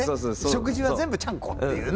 食事は全部ちゃんこっていうね。